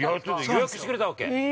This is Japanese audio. ◆予約してくれたわけ。